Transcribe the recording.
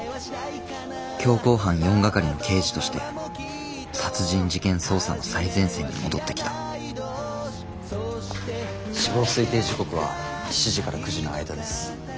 強行犯４係の刑事として殺人事件捜査の最前線に戻ってきた死亡推定時刻は７時から９時の間です。